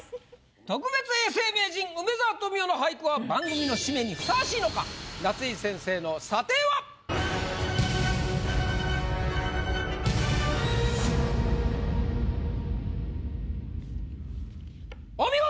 特別永世名人梅沢富美男の俳句は番組の締めにふさわしいのか⁉夏井先生の査定は⁉お見事！